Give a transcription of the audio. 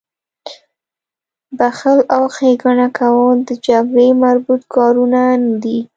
بخښل او ښېګڼه کول د جګړې مربوط کارونه نه دي